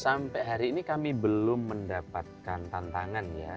sampai hari ini kami belum mendapatkan tantangan ya